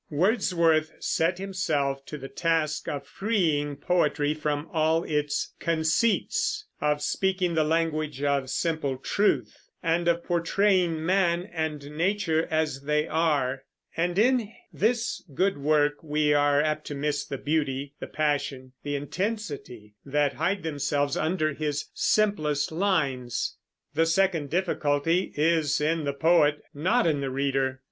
Wordsworth set himself to the task of freeing poetry from all its "conceits," of speaking the language of simple truth, and of portraying man and nature as they are; and in this good work we are apt to miss the beauty, the passion, the intensity, that hide themselves under his simplest lines. The second difficulty is in the poet, not in the reader.